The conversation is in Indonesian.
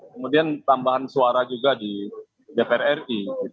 kemudian tambahan suara juga di dpr ri